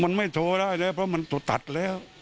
มันไม่โทรได้เลยเพราะมันถูกตัดแล้ว